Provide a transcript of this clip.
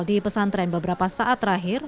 di pesantren beberapa saat terakhir